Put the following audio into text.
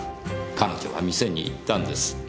彼女は店に行ったんです。